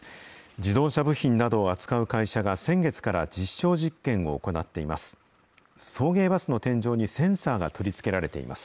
自動車部品などを扱う会社が先月から実証実験を行っています。